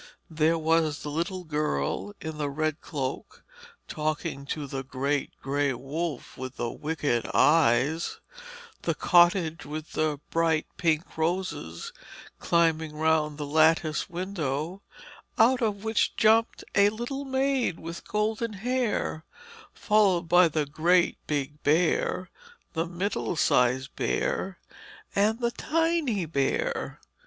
There was the little girl in the red cloak talking to the great grey wolf with the wicked eyes; the cottage with the bright pink roses climbing round the lattice window, out of which jumped a little maid with golden hair, followed by the great big bear, the middle sized bear, and the tiny bear.